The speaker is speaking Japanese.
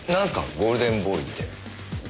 ゴールデンボーイって。